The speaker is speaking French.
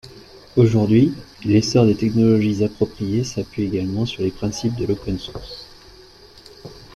Aujourd'hui, l'essor des technologies appropriées s'appuie également sur les principes de l'open source.